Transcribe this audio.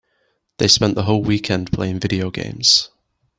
They spent the whole weekend playing video games.